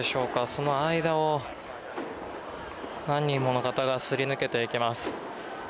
その間を何人もの方がすり抜けていきます。